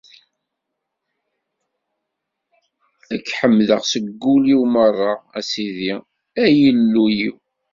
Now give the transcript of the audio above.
Ad k-ḥemdeɣ seg wul-iw merra, a Sidi, a Illu-iw!